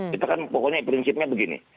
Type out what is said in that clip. kita kan pokoknya prinsipnya begini